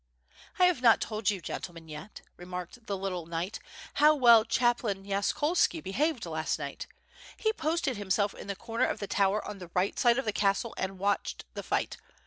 '^ "I have not told you, gentlemen, yet/' remarked the little knight, "how well chaplain Yaskolski behaved last night. He posted himself in the corner of the tower on the right side of the castle and watched the fight.